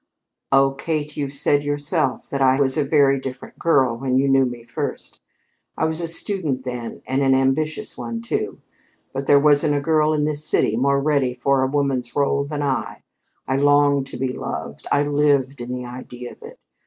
"Oh, Kate, you've said yourself that I was a very different girl when you knew me first. I was a student then, and an ambitious one, too; but there wasn't a girl in this city more ready for a woman's rôle than I. I longed to be loved I lived in the idea of it.